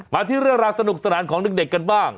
มาที่เรื่องราวสนุกสนานของเด็กกันบ้าง